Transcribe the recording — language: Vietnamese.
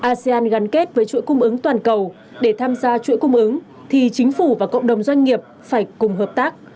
asean gắn kết với chuỗi cung ứng toàn cầu để tham gia chuỗi cung ứng thì chính phủ và cộng đồng doanh nghiệp phải cùng hợp tác